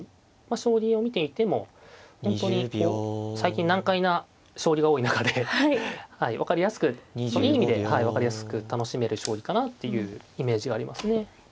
将棋を見ていても本当に最近難解な将棋が多い中で分かりやすくいい意味で分かりやすく楽しめる将棋かなっていうイメージがありますね。